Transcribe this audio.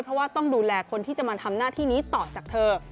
เพราะว่าต้องดูแลคนที่จะมาทำหน้าที่นี้ต่อจากเธอ